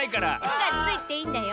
「ん」がついていいんだよ。